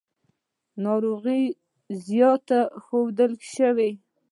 ناروغۍ زیاتې ښودل شوې.